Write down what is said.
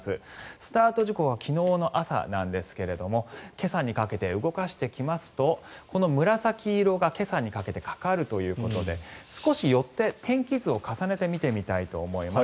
スタート時刻は昨日の朝なんですが今朝にかけて動かしていきますとこの紫色が今朝にかけてかかるということで少し寄って、天気図を重ねて見てみたいと思います。